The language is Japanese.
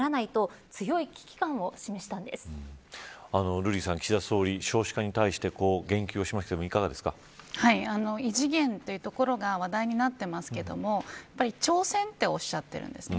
瑠麗さん岸田総理、少子化に対して異次元というところが話題になっていますが挑戦とおっしゃっているんですね。